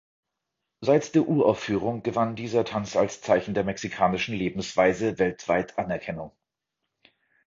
Seit der Uraufführung gewann dieser Tanz als Zeichen der mexikanischen Lebensweise weltweit Anerkennung.